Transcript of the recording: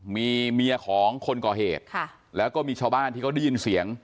มีเมียของคนก่อเหตุแล้วก็มีชาวบ้านที่เขาได้ยินเสียง